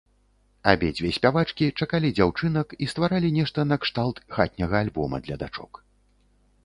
Абедзве спявачкі чакалі дзяўчынак і стваралі нешта накшталт хатняга альбома для дачок.